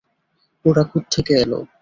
ওরা কোত্থেকে এলো?